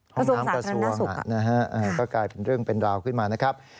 ห้องน้ำกระทรวงก็กลายเป็นเรื่องเป็นราวขึ้นมานะครับ